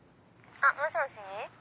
あっもしもし。